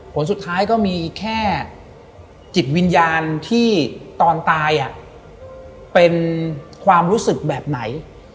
ผลสุดท้ายก็มีแค่จิตวิญญาณที่ตอนตายเป็นความรู้สึกแบบไหน